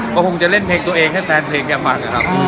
ก็ผมจะเล่นเพลงตัวเองให้แฟนเพลงเองฟัง